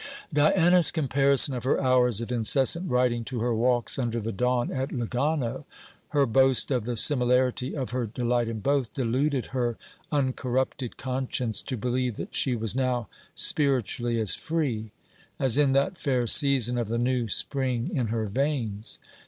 Diana's comparison of her hours of incessant writing to her walks under the dawn at Lugano, her boast of the similarity of her delight in both, deluded her uncorrupted conscience to believe that she was now spiritually as free: as in that fair season of the new spring in her veins.